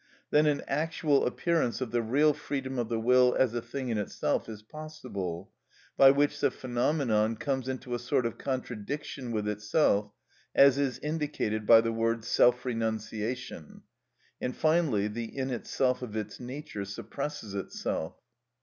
Then an actual appearance of the real freedom of the will as a thing in itself is possible, by which the phenomenon comes into a sort of contradiction with itself, as is indicated by the word self renunciation; and, finally, the "in itself" of its nature suppresses itself.